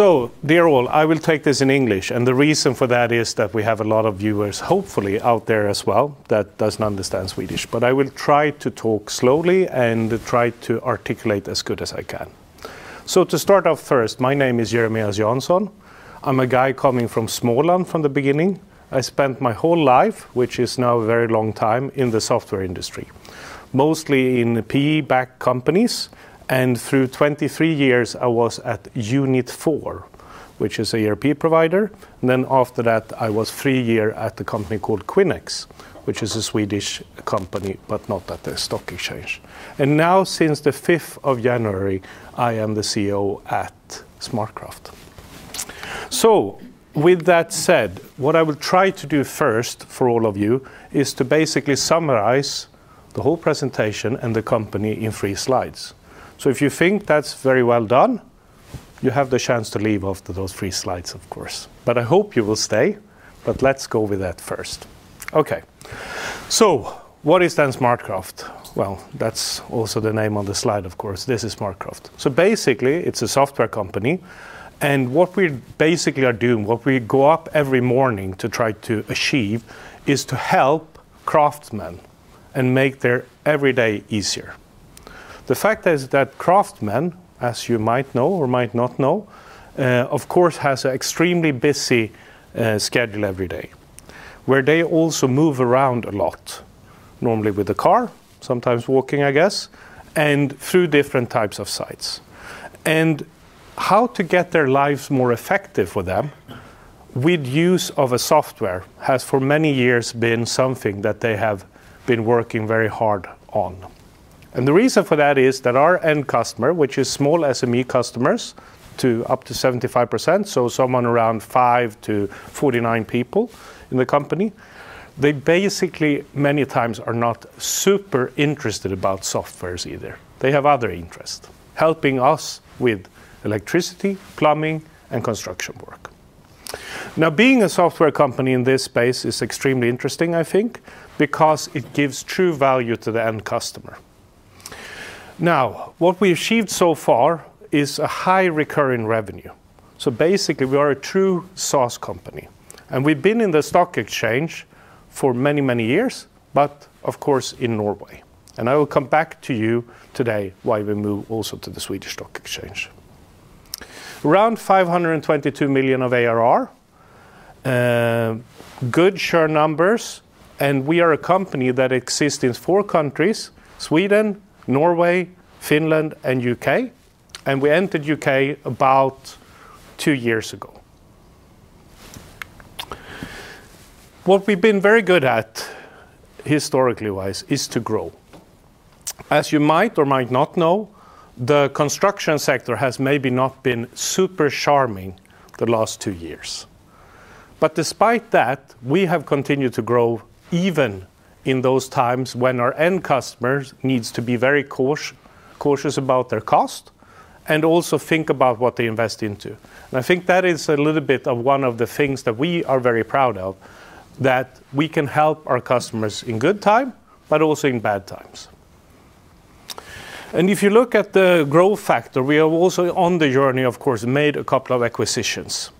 So, dear all, I will take this in English, and the reason for that is that we have a lot of viewers, hopefully, out there as well, that don't understand Swedish. But I will try to talk slowly and try to articulate as good as I can. So, to start off first, my name is Jeremias Jansson. I'm a guy coming from Småland from the beginning. I spent my whole life, which is now a very long time, in the software industry. Mostly in PE-backed companies, and through 23 years, I was at Unit4, which is an ERP provider. Then, after that, I was three years at a company called Quinyx, which is a Swedish company, but not at the stock exchange. And now, since the 5th of January, I am the CEO at SmartCraft. So with that said, what I will try to do first for all of you is to basically summarize the whole presentation and the company in three slides. So if you think that's very well done, you have the chance to leave after those three slides, of course. But I hope you will stay, but let's go with that first. Okay. So what is then SmartCraft? Well, that's also the name on the slide, of course. This is SmartCraft. So basically, it's a software company, and what we basically are doing, what we go up every morning to try to achieve, is to help craftsmen and make their every day easier. The fact is that craftsmen, as you might know or might not know, of course, has extremely busy schedule every day, where they also move around a lot, normally with a car, sometimes walking, I guess, and through different types of sites. How to get their lives more effective for them, with use of a software, has, for many years, been something that they have been working very hard on. The reason for that is that our end customer, which is small SME customers, to up to 75%, so someone around 5-49 people in the company, they basically, many times, are not super interested about softwares either. They have other interest, helping us with electricity, plumbing, and construction work. Now, being a software company in this space is extremely interesting, I think, because it gives true value to the end customer. Now, what we achieved so far is a high recurring revenue. Basically, we are a true SaaS company, and we've been in the stock exchange for many, many years, of course, in Norway. I will come back to you today why we move also to the Swedish stock exchange. Around 522 million of ARR, good share numbers, and we are a company that exists in four countries: Sweden, Norway, Finland, and the U.K., and we entered the U.K. about two years ago. What we've been very good at, historically wise, is to grow. As you might or might not know, the construction sector has maybe not been super charming the last two years. But despite that, we have continued to grow, even in those times when our end customers needs to be very cautious about their cost and also think about what they invest into. I think that is a little bit of one of the things that we are very proud of, that we can help our customers in good time, but also in bad times. If you look at the growth factor, we have also, on the journey, of course, made a couple of acquisitions.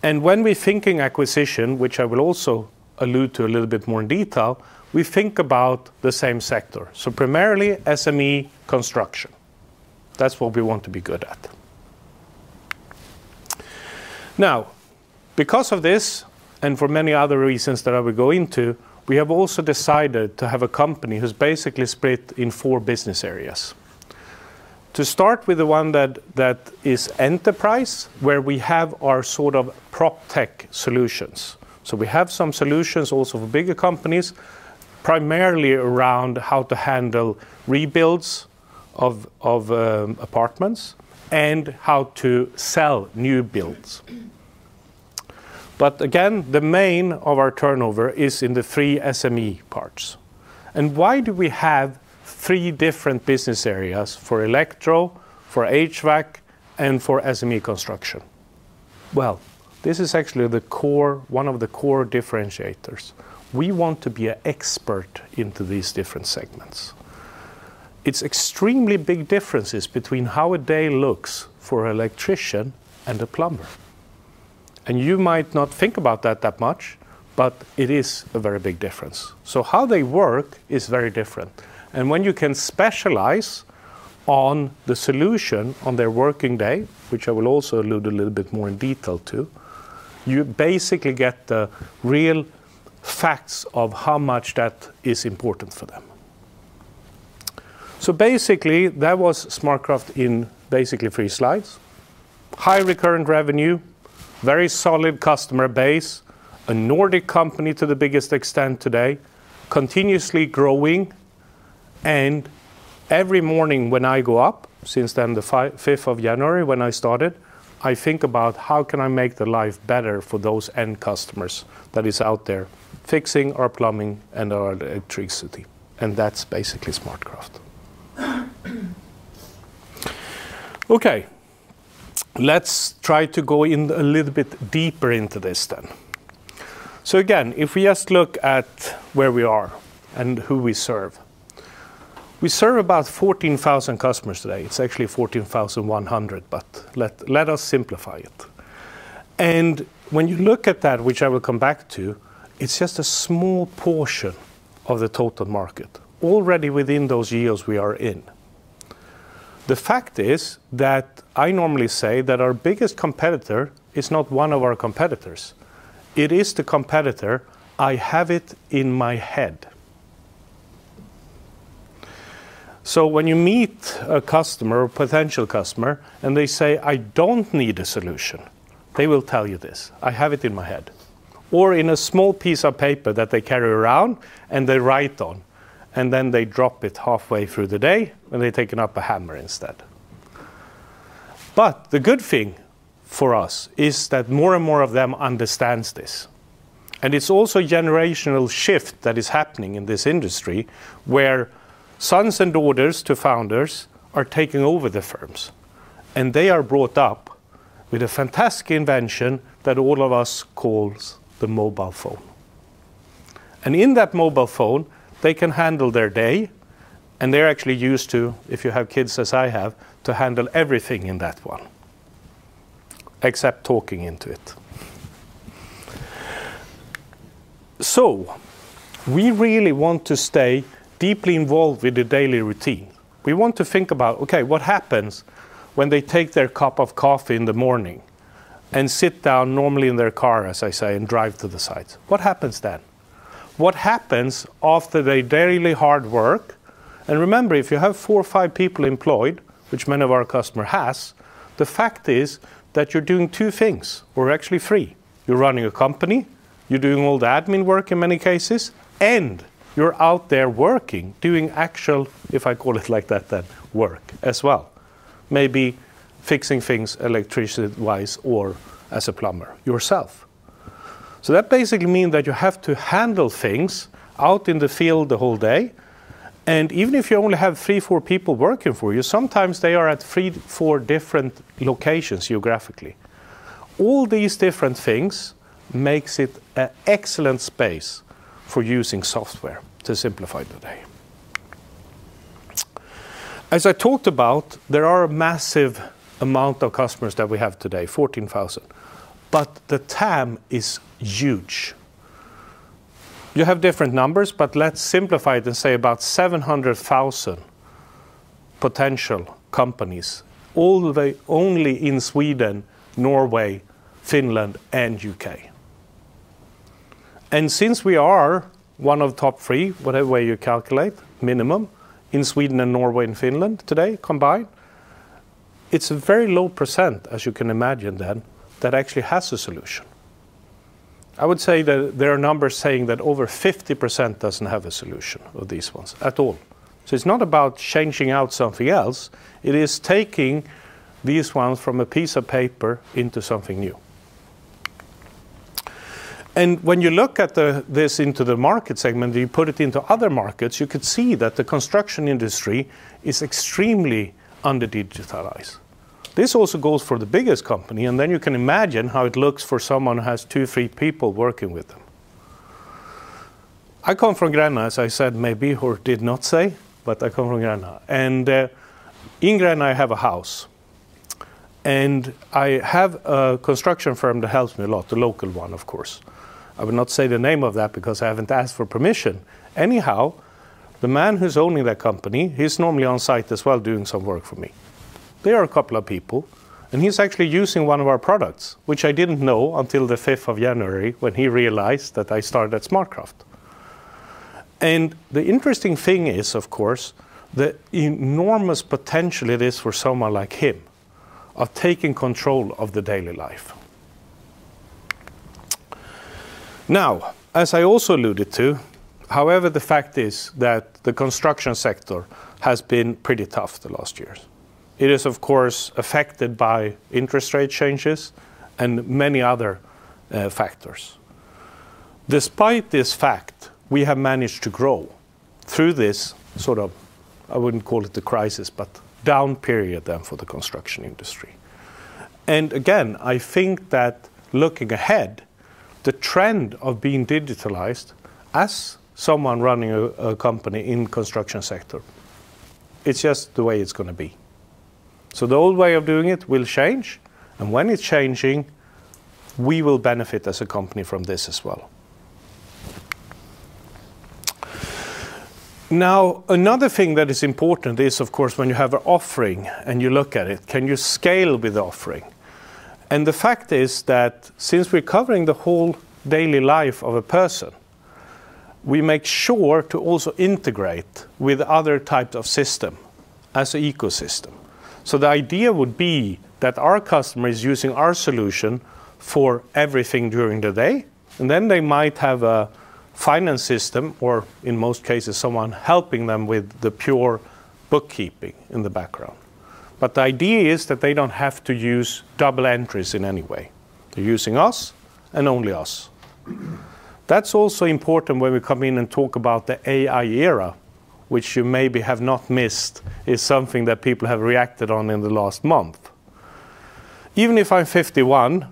When we thinking acquisition, which I will also allude to a little bit more in detail, we think about the same sector. So primarily, SME construction. That's what we want to be good at. Now, because of this, and for many other reasons that I will go into, we have also decided to have a company who's basically split in four business areas. To start with the one that is enterprise, where we have our sort of proptech solutions. So we have some solutions also for bigger companies, primarily around how to handle rebuilds of apartments and how to sell new builds. But again, the main of our turnover is in the three SME parts. And why do we have three different business areas for electro, for HVAC, and for SME construction? Well, this is actually the core, one of the core differentiators. We want to be an expert into these different segments. It's extremely big differences between how a day looks for an electrician and a plumber. You might not think about that, that much, but it is a very big difference. How they work is very different. When you can specialize on the solution on their working day, which I will also allude a little bit more in detail to, you basically get the real facts of how much that is important for them. Basically, that was SmartCraft in basically three slides. High recurrent revenue, very solid customer base, a Nordic company to the biggest extent today, continuously growing, and every morning when I go up, since then, the fifth of January, when I started, I think about how can I make the life better for those end customers that is out there fixing our plumbing and our electricity, and that's basically SmartCraft. Okay, let's try to go in a little bit deeper into this then. So again, if we just look at where we are and who we serve. We serve about 14,000 customers today. It's actually 14,100, but let, let us simplify it. And when you look at that, which I will come back to, it's just a small portion of the total market already within those years we are in. The fact is that I normally say that our biggest competitor is not one of our competitors. It is the competitor, "I have it in my head." So when you meet a customer or potential customer, and they say, "I don't need a solution," they will tell you this, "I have it in my head," or in a small piece of paper that they carry around, and they write on, and then they drop it halfway through the day, and they take up a hammer instead. But the good thing for us is that more and more of them understands this, and it's also a generational shift that is happening in this industry, where sons and daughters to founders are taking over the firms, and they are brought up with a fantastic invention that all of us calls the mobile phone. And in that mobile phone, they can handle their day, and they're actually used to, if you have kids, as I have, to handle everything in that one, except talking into it. So we really want to stay deeply involved with the daily routine. We want to think about, okay, what happens when they take their cup of coffee in the morning and sit down, normally in their car, as I say, and drive to the site? What happens then? What happens after their daily hard work? And remember, if you have four or five people employed, which many of our customer has, the fact is that you're doing two things or actually three. You're running a company, you're doing all the admin work in many cases, and you're out there working, doing actual, if I call it like that, then work as well. Maybe fixing things electrician-wise or as a plumber yourself. So that basically mean that you have to handle things out in the field the whole day, and even if you only have three, four people working for you, sometimes they are at three, four different locations geographically. All these different things makes it a excellent space for using software to simplify the day. As I talked about, there are a massive amount of customers that we have today, 14,000, but the TAM is huge. You have different numbers, but let's simplify it and say about 700,000 potential companies, all the only in Sweden, Norway, Finland, and U.K. Since we are one of the top three, whatever way you calculate, minimum, in Sweden and Norway and Finland today, combined, it's a very low %, as you can imagine, then, that actually has a solution. I would say that there are numbers saying that over 50% doesn't have a solution of these ones at all. It's not about changing out something else. It is taking these ones from a piece of paper into something new. When you look at the this into the market segment, you put it into other markets, you could see that the construction industry is extremely under-digitalized. This also goes for the biggest company, and then you can imagine how it looks for someone who has two, three people working with them. I come from Gränna, as I said, maybe, or did not say, but I come from Gränna, and in Gränna, I have a house, and I have a construction firm that helps me a lot, the local one, of course. I will not say the name of that because I haven't asked for permission. Anyhow, the man who's owning that company, he's normally on site as well, doing some work for me. There are a couple of people, and he's actually using one of our products, which I didn't know until the 15th of January, when he realized that I started at SmartCraft. And the interesting thing is, of course, the enormous potential it is for someone like him of taking control of the daily life. Now, as I also alluded to, however, the fact is that the construction sector has been pretty tough the last years. It is, of course, affected by interest rate changes and many other factors. Despite this fact, we have managed to grow through this sort of, I wouldn't call it a crisis, but down period then for the construction industry. And again, I think that looking ahead, the trend of being digitalized as someone running a company in construction sector, it's just the way it's gonna be. So the old way of doing it will change, and when it's changing, we will benefit as a company from this as well. Now, another thing that is important is, of course, when you have an offering and you look at it, can you scale with the offering? And the fact is that since we're covering the whole daily life of a person, we make sure to also integrate with other types of system as an ecosystem. So the idea would be that our customer is using our solution for everything during the day, and then they might have a finance system, or in most cases, someone helping them with the pure bookkeeping in the background. But the idea is that they don't have to use double entries in any way. They're using us and only us. That's also important when we come in and talk about the AI era, which you maybe have not missed, is something that people have reacted on in the last month. Even if I'm 51,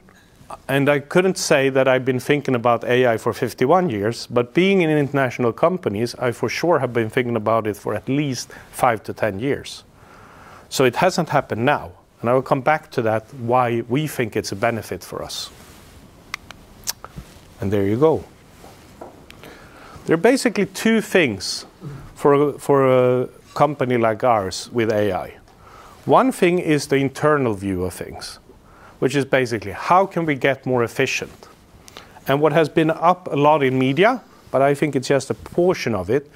and I couldn't say that I've been thinking about AI for 51 years, but being in international companies, I for sure have been thinking about it for at least 5-10 years. So it hasn't happened now, and I will come back to that, why we think it's a benefit for us. And there you go. There are basically two things for, for a company like ours with AI. One thing is the internal view of things, which is basically how can we get more efficient? And what has been up a lot in media, but I think it's just a portion of it,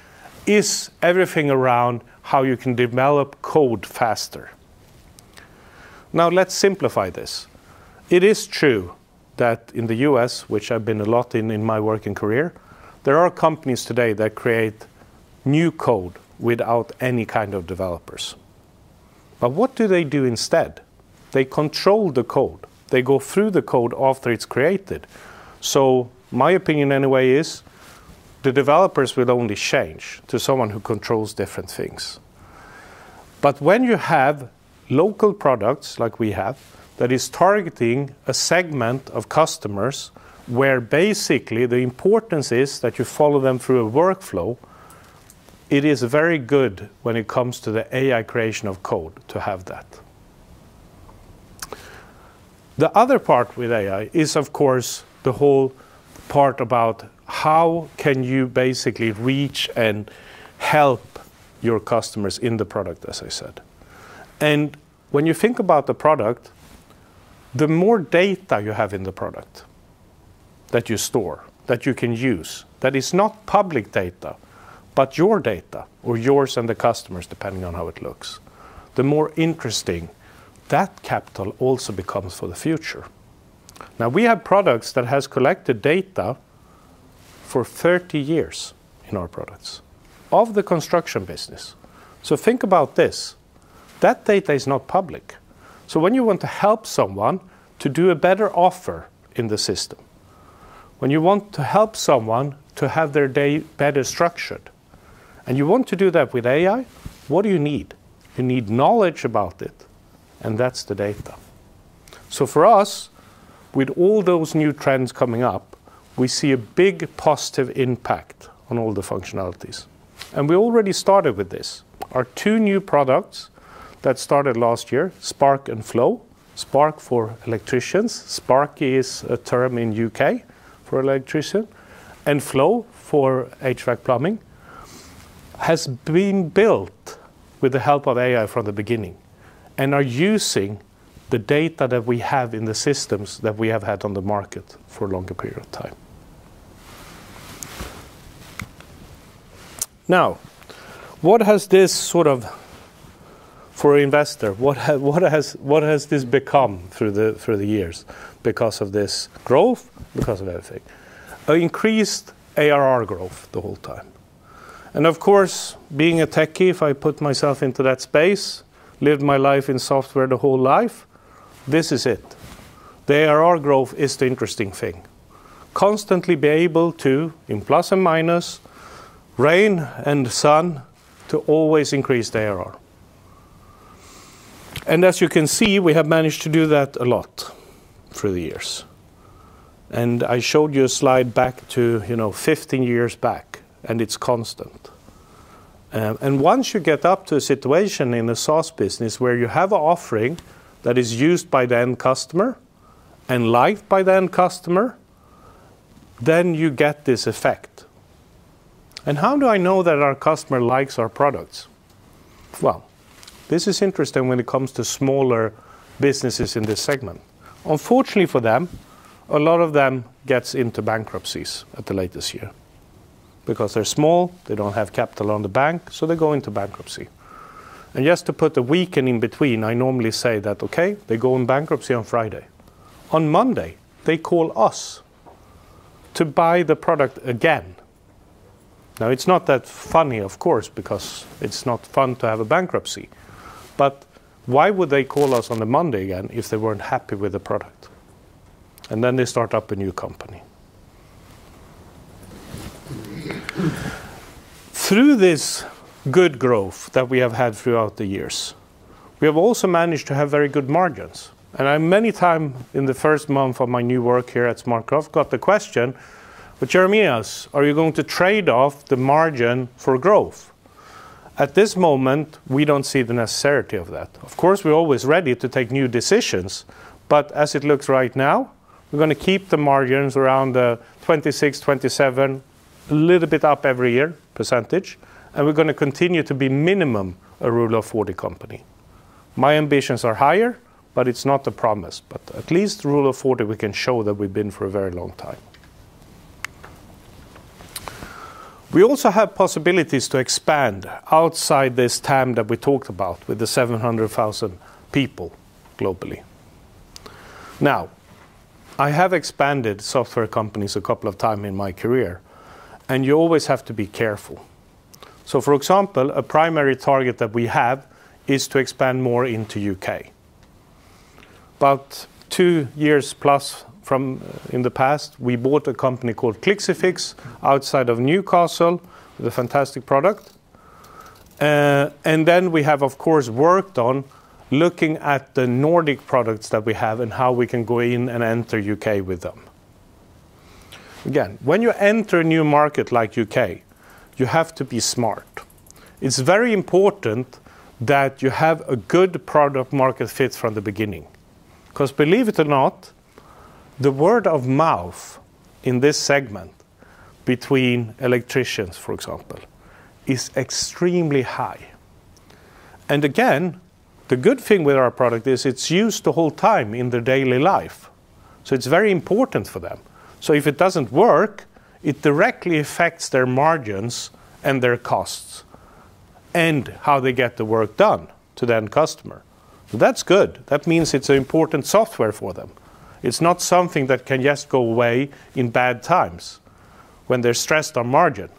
is everything around how you can develop code faster. Now, let's simplify this. It is true that in the U.S., which I've been a lot in, in my working career, there are companies today that create new code without any kind of developers. But what do they do instead? They control the code. They go through the code after it's created. So my opinion, anyway, is the developers will only change to someone who controls different things. But when you have local products like we have, that is targeting a segment of customers, where basically the importance is that you follow them through a workflow, it is very good when it comes to the AI creation of code to have that. The other part with AI is, of course, the whole part about how can you basically reach and help your customers in the product, as I said. And when you think about the product, the more data you have in the product that you store, that you can use, that is not public data, but your data or yours and the customers, depending on how it looks, the more interesting that capital also becomes for the future. Now, we have products that has collected data for 30 years in our products of the construction business. So think about this, that data is not public. So when you want to help someone to do a better offer in the system, when you want to help someone to have their day better structured, and you want to do that with AI, what do you need? You need knowledge about it, and that's the data. So for us, with all those new trends coming up, we see a big positive impact on all the functionalities. We already started with this. Our two new products that started last year, Spark and Flow. Spark for electricians. Spark is a term in the U.K. for electrician, and Flow for HVAC plumbing, has been built with the help of AI from the beginning and are using the data that we have in the systems that we have had on the market for a longer period of time. Now, what has this sort of—for investor, what has this become through the years because of this growth, because of everything? An increased ARR growth the whole time. And of course, being a techie, if I put myself into that space, lived my life in software the whole life, this is it. The ARR growth is the interesting thing. Constantly be able to, in plus and minus, rain and sun, to always increase the ARR. As you can see, we have managed to do that a lot through the years. I showed you a slide back to, you know, 15 years back, and it's constant. Once you get up to a situation in a SaaS business where you have an offering that is used by the end customer and liked by the end customer, then you get this effect. How do I know that our customer likes our products? Well, this is interesting when it comes to smaller businesses in this segment. Unfortunately, for them, a lot of them get into bankruptcies at the latest year. Because they're small, they don't have capital on the bank, so they go into bankruptcy. Just to put a weekend in between, I normally say that, okay, they go in bankruptcy on Friday. On Monday, they call us to buy the product again. Now, it's not that funny, of course, because it's not fun to have a bankruptcy. But why would they call us on a Monday again if they weren't happy with the product? And then they start up a new company. Through this good growth that we have had throughout the years, we have also managed to have very good margins. And I, many times in the first month of my new work here at SmartCraft, got the question: "But Jeremias, are you going to trade off the margin for growth?" At this moment, we don't see the necessity of that. Of course, we're always ready to take new decisions, but as it looks right now, we're gonna keep the margins around the 26%-27%, a little bit up every year, and we're gonna continue to be minimum a Rule of 40 company. My ambitions are higher, but it's not a promise. But at least Rule of 40, we can show that we've been for a very long time. We also have possibilities to expand outside this TAM that we talked about with the 700,000 people globally. Now, I have expanded software companies a couple of time in my career, and you always have to be careful. So for example, a primary target that we have is to expand more into U.K. About two years plus from in the past, we bought a company called Clixifix outside of Newcastle, with a fantastic product. And then we have, of course, worked on looking at the Nordic products that we have and how we can go in and enter U.K. with them. Again, when you enter a new market like U.K., you have to be smart. It's very important that you have a good product market fit from the beginning, 'cause believe it or not, the word of mouth in this segment between electricians, for example, is extremely high. Again, the good thing with our product is it's used the whole time in their daily life, so it's very important for them. If it doesn't work, it directly affects their margins and their costs, and how they get the work done to the end customer. That's good. That means it's an important software for them. It's not something that can just go away in bad times when they're stressed on margin.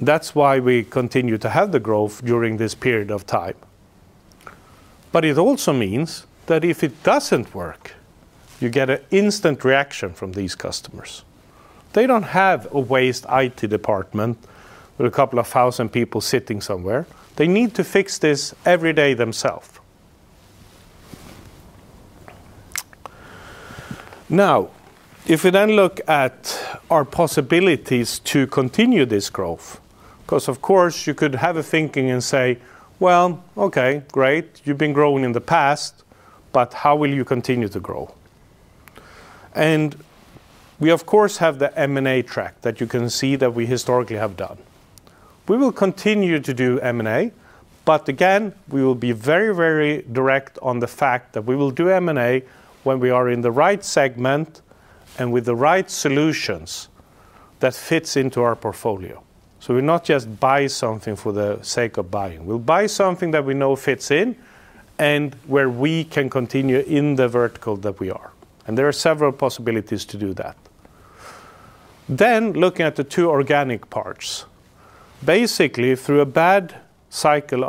That's why we continue to have the growth during this period of time. It also means that if it doesn't work, you get an instant reaction from these customers. They don't have a waste IT department with a couple of thousand people sitting somewhere. They need to fix this every day themself. Now, if you then look at our possibilities to continue this growth, 'cause, of course, you could have a thinking and say, "Well, okay, great, you've been growing in the past, but how will you continue to grow?" We, of course, have the M&A track that you can see that we historically have done. We will continue to do M&A, but again, we will be very, very direct on the fact that we will do M&A when we are in the right segment and with the right solutions that fits into our portfolio. We'll not just buy something for the sake of buying. We'll buy something that we know fits in and where we can continue in the vertical that we are, and there are several possibilities to do that. Then, looking at the two organic parts, basically, through a bad cycle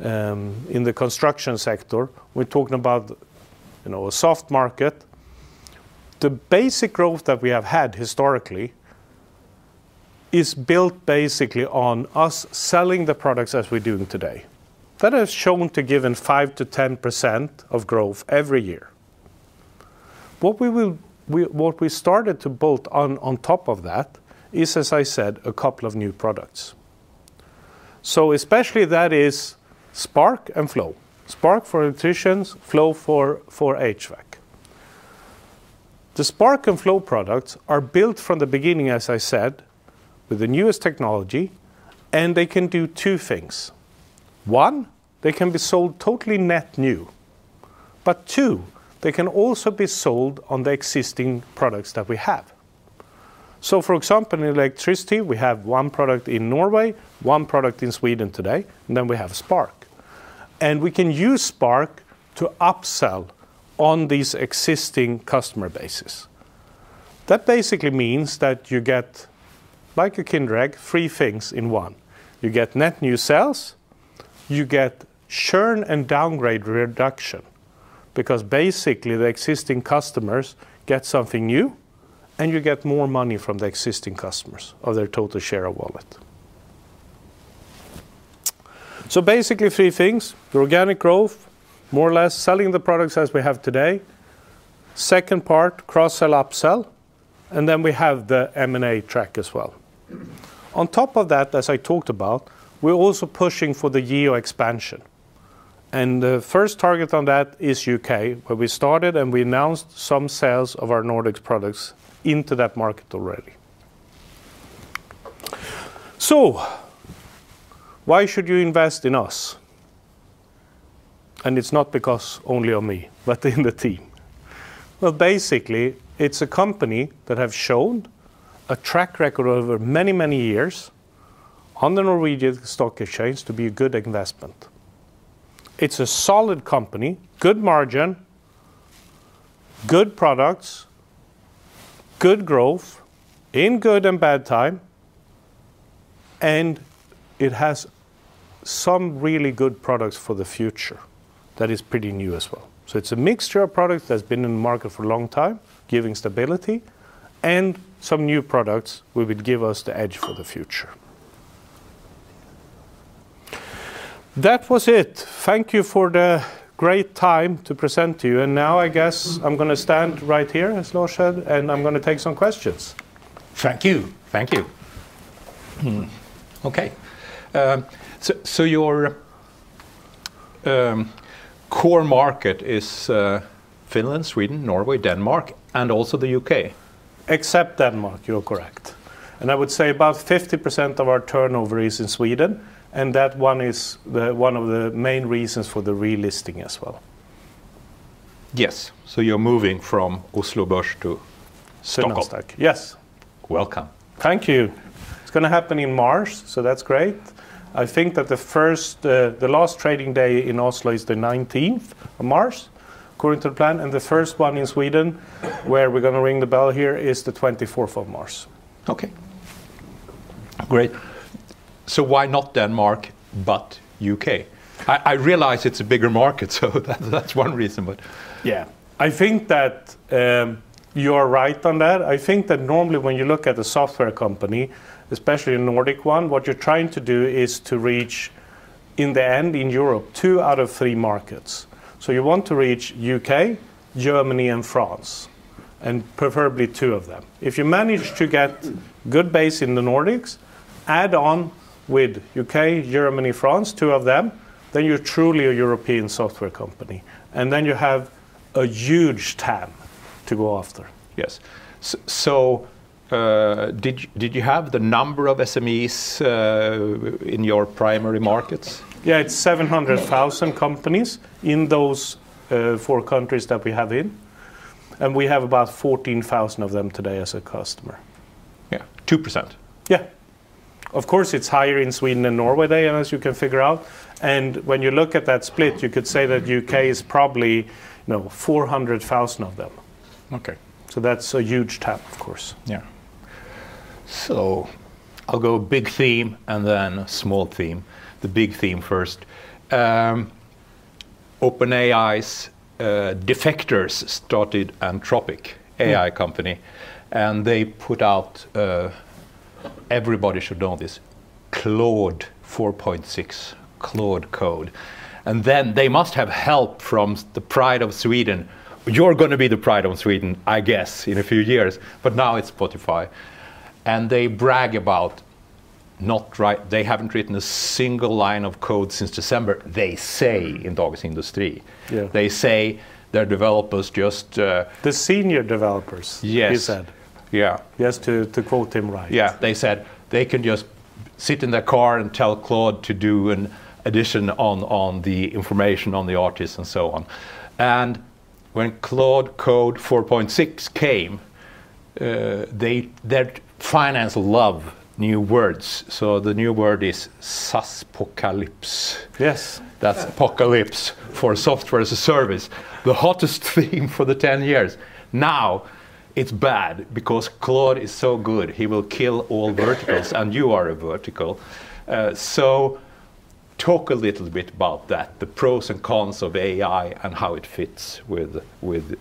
in the construction sector, we're talking about, you know, a soft market. The basic growth that we have had historically is built basically on us selling the products as we're doing today. That has shown to give 5%-10% growth every year. What we started to build on top of that is, as I said, a couple of new products. So especially, that is Spark and Flow. Spark for electricians, Flow for HVAC. The Spark and Flow products are built from the beginning, as I said, with the newest technology, and they can do two things: one, they can be sold totally net new. But two, they can also be sold on the existing products that we have. So, for example, in electricity, we have one product in Norway, one product in Sweden today, and then we have Spark, and we can use Spark to upsell on these existing customer bases. That basically means that you get, like a kind of, three things in one. You get net new sales, you get churn and downgrade reduction, because basically, the existing customers get something new, and you get more money from the existing customers or their total share of wallet. So basically, three things: the organic growth, more or less selling the products as we have today. Second part, cross-sell, upsell, and then we have the M&A track as well. On top of that, as I talked about, we're also pushing for the geo expansion, and the first target on that is the U.K., where we started, and we announced some sales of our Nordics products into that market already. Why should you invest in us? It's not because only of me, but in the team. Well, basically, it's a company that has shown a track record over many, many years on the Norwegian Stock Exchange to be a good investment. It's a solid company, good margin, good products, good growth, in good and bad time, and it has some really good products for the future that is pretty new as well. It's a mixture of products that's been in the market for a long time, giving stability, and some new products which would give us the edge for the future. That was it. Thank you for the great time to present to you, and now I guess I'm gonna stand right here, as Lars said, and I'm gonna take some questions. Thank you. Thank you. Okay, so your core market is Finland, Sweden, Norway, Denmark, and also the U.K.? Except Denmark, you're correct. I would say about 50% of our turnover is in Sweden, and that one is one of the main reasons for the relisting as well. Yes. So you're moving from Oslo Børs to Stockholm? Stockholm. Yes. Welcome. Thank you. It's gonna happen in March, so that's great. I think that the first, the last trading day in Oslo is the 19th of March, according to the plan, and the first one in Sweden, where we're gonna ring the bell here, is the 24th of March. Okay. Great. So why not Denmark, but U.K.? I, I realize it's a bigger market, so that's, that's one reason, but yeah. I think that, you're right on that. I think that normally when you look at a software company, especially a Nordic one, what you're trying to do is to reach in the end, in Europe, two out of three markets. So you want to reach U.K., Germany, and France, and preferably two of them. If you manage to get good base in the Nordics, add on with U.K., Germany, France, two of them, then you're truly a European software company, and then you have a huge TAM to go after. Yes. So, did you, did you have the number of SMEs in your primary markets? Yeah, it's 700,000 companies in those four countries that we have in, and we have about 14,000 of them today as a customer. Yeah, 2%. Yeah. Of course, it's higher in Sweden and Norway, as you can figure out, and when you look at that split, you could say that U.K. is probably, you know, 400,000 of them. Okay. That's a huge TAM, of course. Yeah. I'll go big theme and then small theme. The big theme first. OpenAI's defectors started Anthropic AI company, and they put out, everybody should know this, Claude 4.6, Claude Code. They must have help from the pride of Sweden. You're gonna be the pride of Sweden, I guess, in a few years, but now it's Spotify, and they brag about not write-- they haven't written a single line of code since December, they say, in Dagens Industri. Yeah. They say their developers just, The senior developers- Yes He said. Yeah. Just to quote him right. Yeah. They said they can just sit in their car and tell Claude to do an addition on the information on the artist and so on. And when Claude Code 4.6 came, their finance love new words, so the new word is SaaSPocalypse. Yes. That's apocalypse for Software as a Service, the hottest thing for 10 years. Now, it's bad because Claude is so good, he will kill all verticals, and you are a vertical. So talk a little bit about that, the pros and cons of AI and how it fits with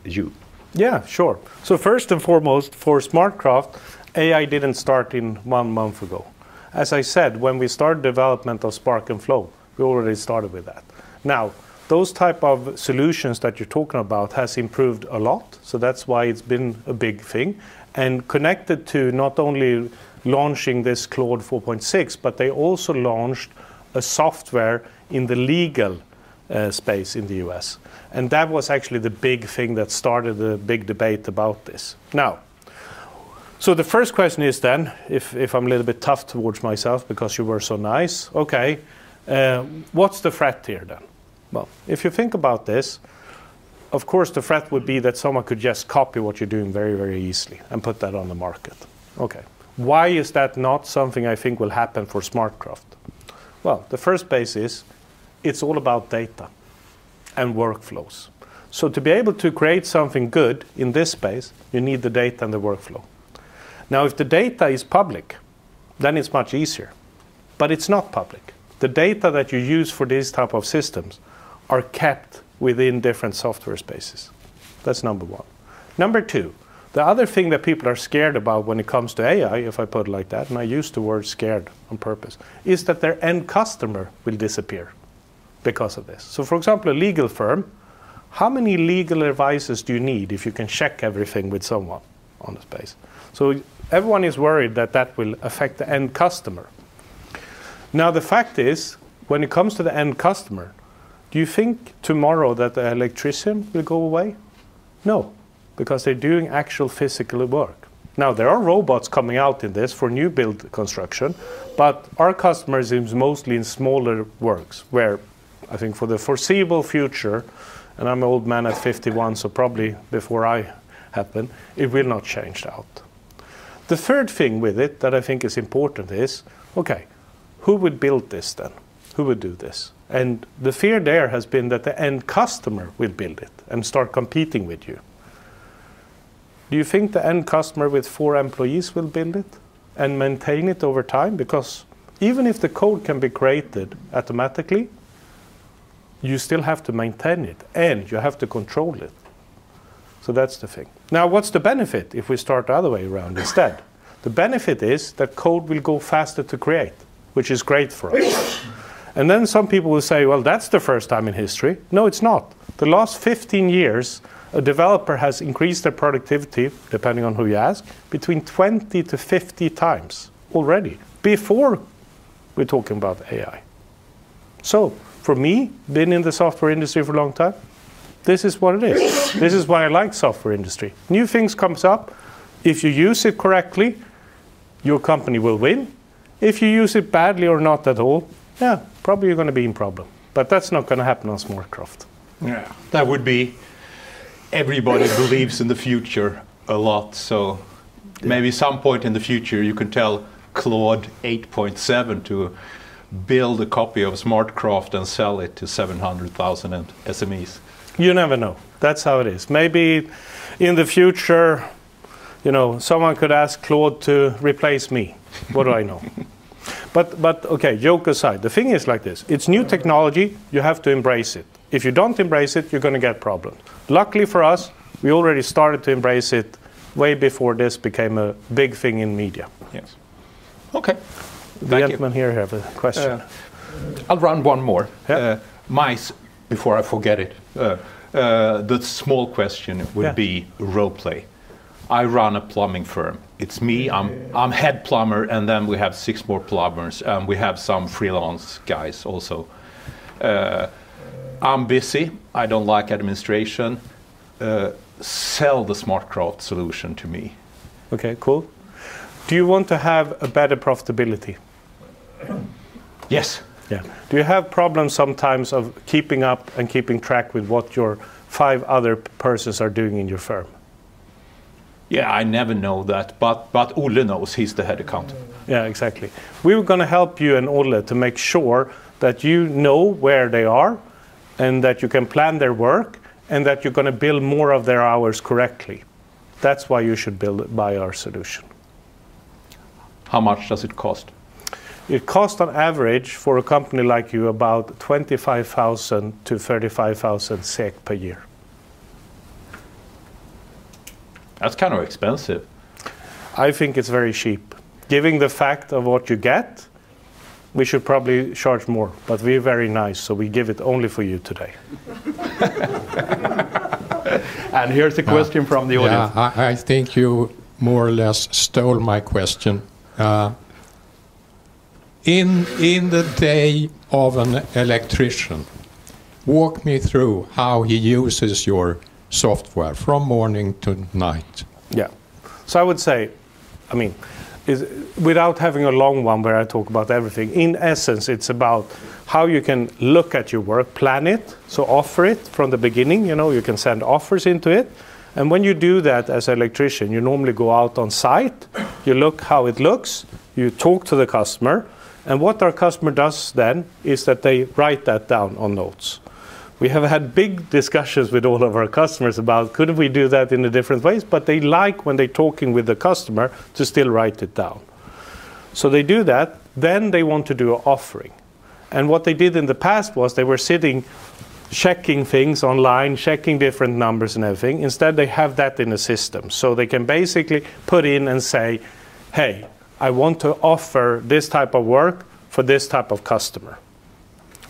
you. Yeah, sure. So first and foremost, for SmartCraft, AI didn't start in one month ago. As I said, when we started development of Spark and Flow, we already started with that. Now, those type of solutions that you're talking about has improved a lot, so that's why it's been a big thing, and connected to not only launching this Claude 4.6, but they also launched a software in the legal space in the U.S. And that was actually the big thing that started the big debate about this. Now, so the first question is then, if I'm a little bit tough towards myself because you were so nice, okay, what's the threat here, then? Well, if you think about this, of course, the threat would be that someone could just copy what you're doing very, very easily and put that on the market. Okay, why is that not something I think will happen for SmartCraft? Well, the first base is, it's all about data and workflows. To be able to create something good in this space, you need the data and the workflow. Now, if the data is public, then it's much easier, but it's not public. The data that you use for these type of systems are kept within different software spaces. That's number one. Number two, the other thing that people are scared about when it comes to AI, if I put it like that, and I use the word scared on purpose, is that their end customer will disappear because of this. For example, a legal firm, how many legal advices do you need if you can check everything with someone on the space? Everyone is worried that that will affect the end customer. Now, the fact is, when it comes to the end customer, do you think tomorrow that the electrician will go away? No, because they're doing actual physical work. There are robots coming out in this for new build construction, but our customers is mostly in smaller works, where I think for the foreseeable future, and I'm an old man at 51, so probably before I happen, it will not changed out. The third thing with it that I think is important is, okay, who would build this then? Who would do this? The fear there has been that the end customer will build it and start competing with you. Do you think the end customer with four employees will build it and maintain it over time? Because even if the code can be created automatically, you still have to maintain it, and you have to control it. That's the thing. Now, what's the benefit if we start the other way around instead? The benefit is that code will go faster to create, which is great for us. Then some people will say, "Well, that's the first time in history." No, it's not. The last 15 years, a developer has increased their productivity, depending on who you ask, between 20-50 times already, before we're talking about AI. For me, being in the software industry for a long time, this is what it is. This is why I like software industry. New things come up. If you use it correctly, your company will win. If you use it badly or not at all, yeah, probably you're gonna be in problem, but that's not gonna happen on SmartCraft. Yeah, that would be. Everybody believes in the future a lot, so maybe some point in the future, you can tell Claude 8.7 to build a copy of SmartCraft and sell it to 700,000 SMEs. You never know. That's how it is. Maybe in the future, you know, someone could ask Claude to replace me. What do I know? But, okay, joke aside, the thing is like this, it's new technology, you have to embrace it. If you don't embrace it, you're gonna get problems. Luckily for us, we already started to embrace it way before this became a big thing in media. Yes. Okay, thank you. The gentleman here have a question. I'll run one more. Yeah. Mias, before I forget it, the small question— Yeah Would be role play. I run a plumbing firm. It's me, I'm head plumber, and then we have six more plumbers, and we have some freelance guys also. I'm busy, I don't like administration. Sell the SmartCraft solution to me. Okay, cool. Do you want to have a better profitability? Yes. Yeah. Do you have problems sometimes of keeping up and keeping track with what your five other persons are doing in your firm? Yeah, I never know that, but Ole knows. He's the head accountant. Yeah, exactly. We were gonna help you and Ole to make sure that you know where they are, and that you can plan their work, and that you're gonna bill more of their hours correctly. That's why you should buy our solution. How much does it cost? It costs on average, for a company like you, about 25,000-35,000 SEK per year. That's kind of expensive. I think it's very cheap. Given the fact of what you get, we should probably charge more, but we're very nice, so we give it only for you today. Here's a question from the audience. Yeah. I think you more or less stole my question. In the day of an electrician, walk me through how he uses your software from morning to night. Yeah. So I would say, I mean, without having a long one where I talk about everything, in essence, it's about how you can look at your work, plan it, so offer it from the beginning. You know, you can send offers into it. And when you do that as an electrician, you normally go out on site, you look how it looks, you talk to the customer, and what our customer does then is that they write that down on notes. We have had big discussions with all of our customers about, could we do that in a different ways? But they like, when they're talking with the customer, to still write it down. So they do that, then they want to do a offering. And what they did in the past was they were sitting, checking things online, checking different numbers and everything. Instead, they have that in the system. So they can basically put in and say, "Hey, I want to offer this type of work for this type of customer."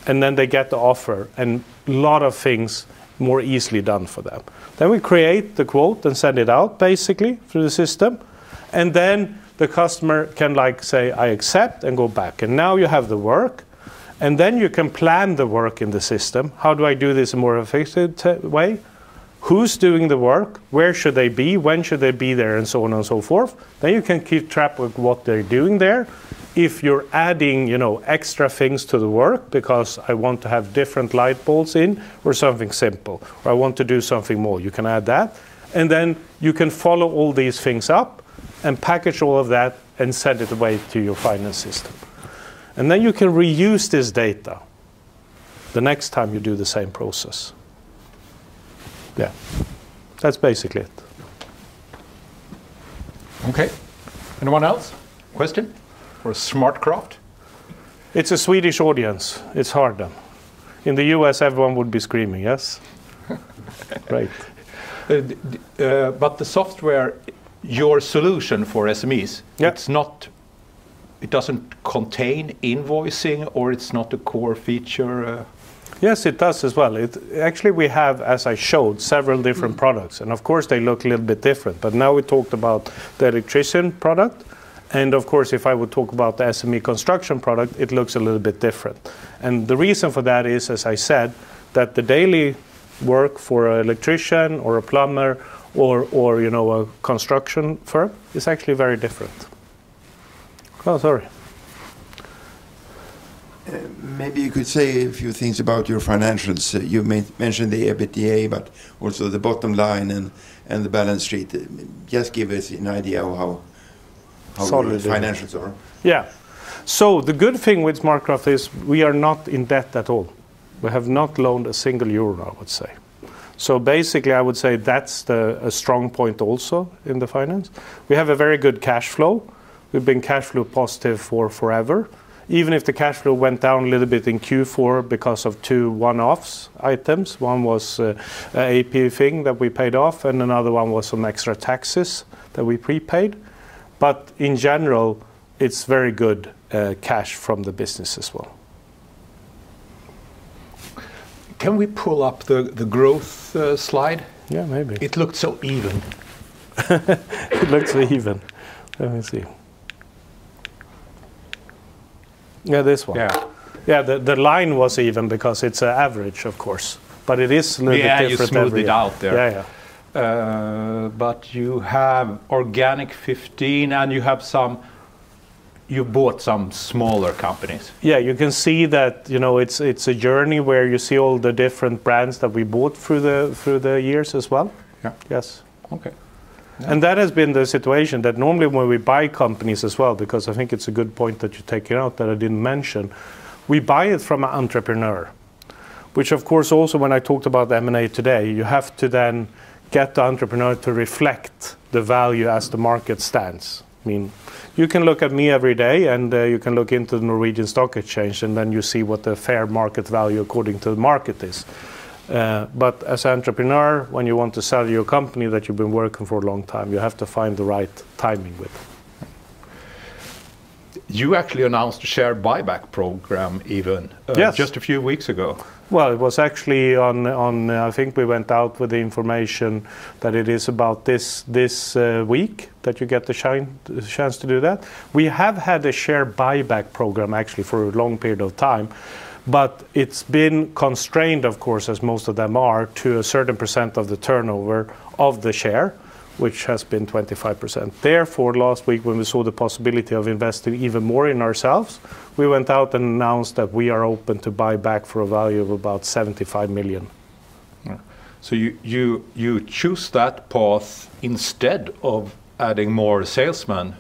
And then they get the offer, and a lot of things more easily done for them. Then we create the quote and send it out, basically, through the system, and then the customer can, like, say, "I accept," and go back. And now you have the work, and then you can plan the work in the system. How do I do this in a more effective way? Who's doing the work? Where should they be? When should they be there? And so on and so forth. Then you can keep track of what they're doing there. If you're adding, you know, extra things to the work, because I want to have different light bulbs in or something simple, or I want to do something more, you can add that. And then you can follow all these things up and package all of that and send it away to your finance system. And then you can reuse this data the next time you do the same process. Yeah, that's basically it. Okay. Anyone else? Question for SmartCraft? It's a Swedish audience. It's hard done. In the U.S., everyone would be screaming, yes? Great. But the software, your solution for SMEs- Yeah It's not- it doesn't contain invoicing, or it's not a core feature? Yes, it does as well. Actually, we have, as I showed, several different products, and of course, they look a little bit different. But now we talked about the electrician product, and of course, if I would talk about the SME construction product, it looks a little bit different. And the reason for that is, as I said, that the daily work for an electrician or a plumber or, or, you know, a construction firm is actually very different. Oh, sorry. Maybe you could say a few things about your financials. You mentioned the EBITDA, but also the bottom line and the balance sheet. Just give us an idea of how- Solid... your financials are. Yeah. So the good thing with SmartCraft is we are not in debt at all. We have not loaned a single euro, I would say. So basically, I would say that's a strong point also in the finance. We have a very good cash flow. We've been cash flow positive for forever. Even if the cash flow went down a little bit in Q4 because of two one-off items. One was AP thing that we paid off, and another one was some extra taxes that we prepaid. But in general, it's very good cash from the business as well. Can we pull up the growth slide? Yeah, maybe. It looked so even. It looks even. Let me see. Yeah, this one. Yeah. Yeah, the line was even because it's an average, of course, but it is a little bit different every- Yeah, you smoothed it out there. Yeah, yeah. But you have organic 15, and you have some... You bought some smaller companies. Yeah, you can see that, you know, it's a journey where you see all the different brands that we bought through the years as well. Yeah. Yes. Okay. That has been the situation, that normally when we buy companies as well, because I think it's a good point that you're taking out that I didn't mention, we buy it from an entrepreneur, which, of course, also when I talked about the M&A today, you have to then get the entrepreneur to reflect the value as the market stands. I mean, you can look at me every day, and, you can look into the Norwegian Stock Exchange, and then you see what the fair market value according to the market is. But as entrepreneur, when you want to sell your company that you've been working for a long time, you have to find the right timing with it. You actually announced a share buyback program even- Yes! Just a few weeks ago. Well, it was actually on, I think we went out with the information that it is about this week, that you get the chance to do that. We have had a share buyback program, actually, for a long period of time, but it's been constrained, of course, as most of them are, to a certain percent of the turnover of the share, which has been 25%. Therefore, last week, when we saw the possibility of investing even more in ourselves, we went out and announced that we are open to buy back for a value of about 75 million. Yeah. So you choose that path instead of adding more salesmen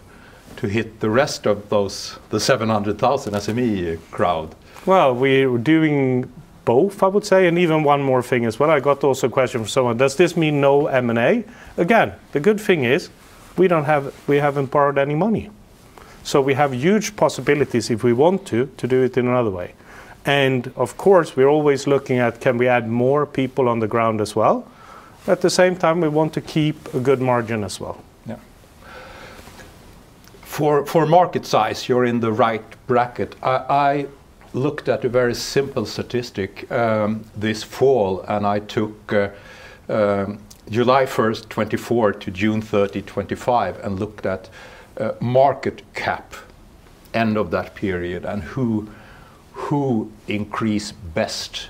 to hit the rest of those, the 700,000 SME crowd? Well, we're doing both, I would say, and even one more thing as well. I got also a question from someone: "Does this mean no M&A?" Again, the good thing is, we haven't borrowed any money. So we have huge possibilities, if we want to, to do it in another way. And of course, we're always looking at, can we add more people on the ground as well? At the same time, we want to keep a good margin as well. Yeah. For market size, you're in the right bracket. I looked at a very simple statistic, this fall, and I took July 1st, 2024, to June 30, 2025, and looked at market cap, end of that period, and who increased best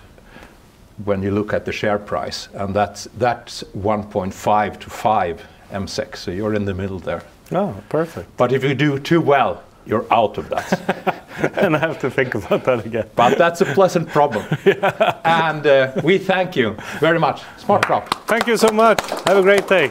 when you look at the share price, and that's 1.5-5 MSEK, so you're in the middle there. Oh, perfect. But if you do too well, you're out of that. I have to think about that again. But that's a pleasant problem. Yeah. We thank you very much. SmartCraft. Thank you so much. Have a great day!